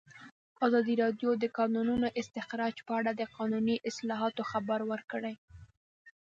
ازادي راډیو د د کانونو استخراج په اړه د قانوني اصلاحاتو خبر ورکړی.